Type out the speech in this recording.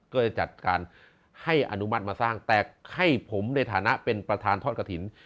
ก็เลยจัดการให้อนุมัติมาสร้างแต่ให้ผมในฐานะเป็นประธานทอดกระถิ่น